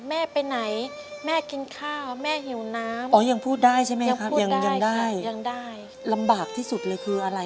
แม่เป็นไหนแม่กินข้าวแม่หิวน้ำ